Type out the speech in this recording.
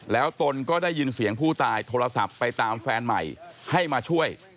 แล้วตนก็ได้ยินเสียงผู้ตายโทรศัพท์ไปตามแฟนใหม่ให้มาช่วย